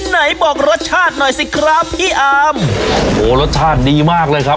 ไหนบอกรสชาติหน่อยสิครับพี่อาร์มโอ้โหรสชาติดีมากเลยครับ